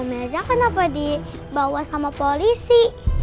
om mirza kenapa dibawa sama polisi